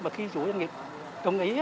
mà khi chủ doanh nghiệp công ý